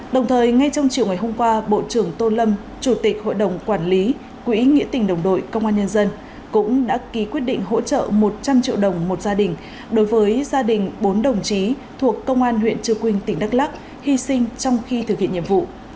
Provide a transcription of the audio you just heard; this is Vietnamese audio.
đồng thời ngay trong chiều ngày hôm qua bộ trưởng tô lâm chủ tịch hội đồng quản lý quỹ nghĩa tình đồng đội công an nhân dân cũng đã ký quyết định hỗ trợ một trăm linh triệu đồng một gia đình đối với gia đình bốn đồng chí thuộc công an huyện trư quynh tỉnh đắk lắc hy sinh trong khi thực hiện nhiệm vụ